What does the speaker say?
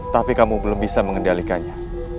tapi kamu belum bisa mengendalikannya